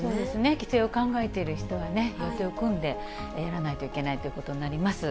帰省を考えている人はね、予定を組んでやらないといけないということになります。